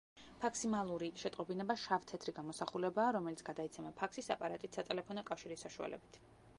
ფაქსიმილური შეტყობინება შავ-თეთრი გამოსახულებაა, რომელიც გადაიცემა ფაქსის აპარატით სატელეფონო კავშირის საშუალებით.